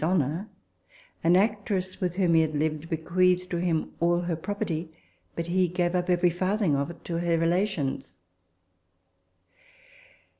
70 RECOLLECTIONS OF THE honour : an actress,* with whom he had lived, bequeathed to him all her property, but he gave up every farthing of it to her relations.